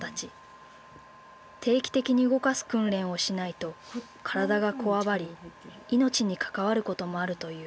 定期的に動かす訓練をしないと体がこわばり命に関わることもあるという。